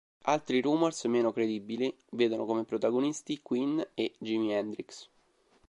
Altri rumors meno credibili vedono come protagonisti Queen e Jimi Hendrix.